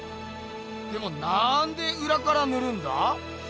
でもなんでうらからぬるんだ？